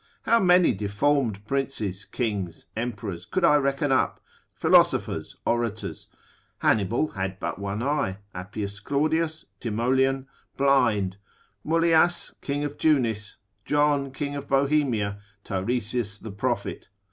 How many deformed princes, kings, emperors, could I reckon up, philosophers, orators? Hannibal had but one eye, Appius Claudius, Timoleon, blind, Muleasse, king of Tunis, John, king of Bohemia, and Tiresias the prophet.